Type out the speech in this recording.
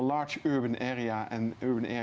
yang besar dan kawasan yang besar